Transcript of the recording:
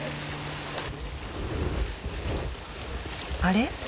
あれ？